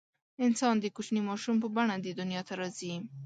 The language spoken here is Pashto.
انسان د کوچني ماشوم په بڼه دې دنیا ته راځي.